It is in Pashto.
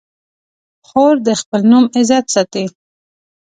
خور د خپل نوم عزت ساتي.